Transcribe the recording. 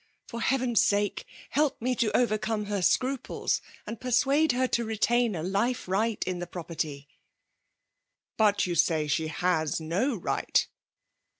FV>r Heaven's sake, help me to overcome her scruples ; and persuade her to retain a life right in ft^ . jMoperty." '* But you say she has no right